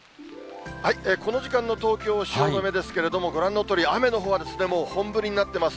この時間の東京・汐留ですけれども、ご覧のとおり、雨のほうはもう本降りになってます。